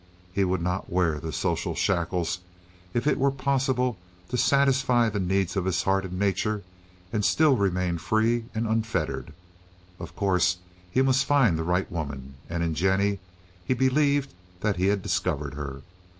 He would not wear the social shackles if it were possible to satisfy the needs of his heart and nature and still remain free and unfettered. Of course he must find the right woman, and in Jennie he believed that he had discovered her.